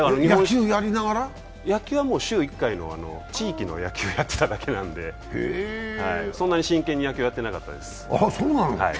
野球は週１回の地域の野球やってただけなんでそんなに真剣に野球やってなかったです。